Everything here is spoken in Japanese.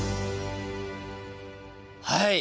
はい。